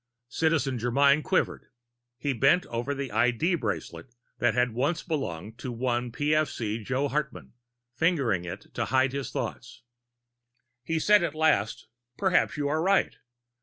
Citizen Germyn quivered. He bent over the ID bracelet that once had belonged to the one PFC Joe Hartman, fingering it to hide his thoughts. He said at last: "Perhaps you are right.